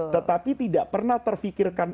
tetapi tidak pernah terfikirkan